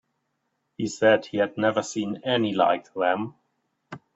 He said he had never seen any like them.